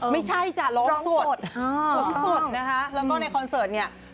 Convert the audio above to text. ไม่ใช่จ้ะร้องสดสูงสุดนะคะแล้วก็ในคอนเสิร์ตเนี่ย